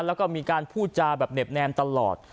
แล้วก็มีการพูดจาแบบเน็บแนมตลอด